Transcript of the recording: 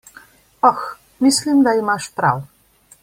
Oh, mislim, da imaš prav.